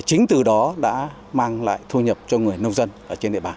chính từ đó đã mang lại thu nhập cho người nông dân ở trên địa bàn